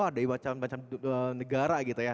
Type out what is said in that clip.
wah dari macam macam negara gitu ya